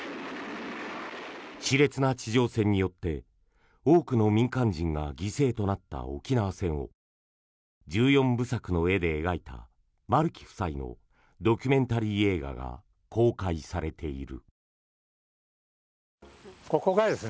熾烈な地上戦によって多くの民間人が犠牲となった沖縄戦を１４部作の絵で描いた丸木夫妻のドキュメンタリー映画が公開されている。